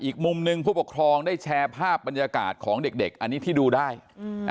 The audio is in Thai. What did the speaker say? อีกมุมหนึ่งผู้ปกครองได้แชร์ภาพบรรยากาศของเด็กเด็กอันนี้ที่ดูได้อืม